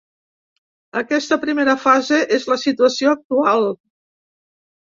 Aquesta primera fase és la situació actual.